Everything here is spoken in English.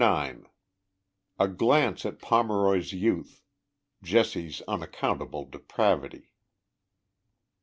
A GLANCE AT POMEROY'S YOUTH. — JESSE'S UNACCOUNTABLE DEPRAVITY.